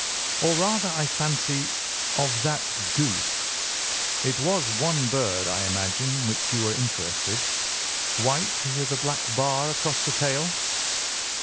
"Or rather, I fancy, of that goose. It was one bird, I imagine in which you were interested—white, with a black bar across the tail."